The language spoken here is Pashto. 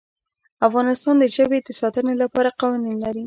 افغانستان د ژبې د ساتنې لپاره قوانین لري.